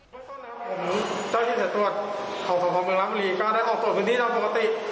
ผมเจ้าที่สัตวรรค์ของสภเมืองราชบุรีก็ได้ออกส่วนที่นั่นปกติ